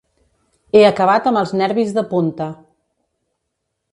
He acabat amb els nervis de punta.